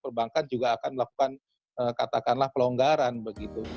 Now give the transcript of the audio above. perbankan juga akan melakukan katakanlah pelonggaran begitu